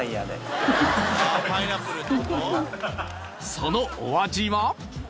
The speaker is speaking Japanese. そのお味は？